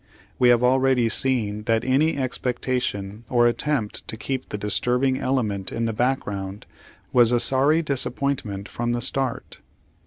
We have already seen that any expectation or attempt to keep the disturbing ele ment in the background was a sorry disappoint ment from the start.